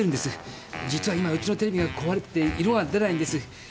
実は今ウチのテレビが壊れてて色が出ないんです。